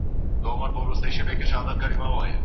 دا وطن دی د رنځورو او خوږمنو